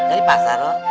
ini pak saro